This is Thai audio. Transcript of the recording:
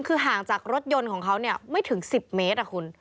คือห่างจากรถยนต์ของเขาไม่ถึง๑๐เมตรคุณ